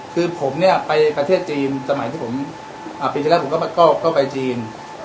คือผมไปประเทศจีนสมัยที่ผมปีเจ้าแรกก็ไปจีน